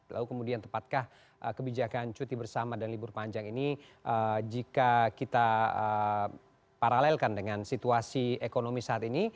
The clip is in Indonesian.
lalu kemudian tepatkah kebijakan cuti bersama dan libur panjang ini jika kita paralelkan dengan situasi ekonomi saat ini